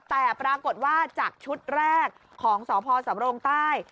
แต่ปรากฏว่าจากชุดแรกของสพสำรงใต้